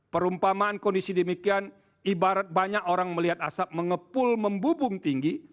perumpamaan kondisi demikian ibarat banyak orang melihat asap mengepul membubung tinggi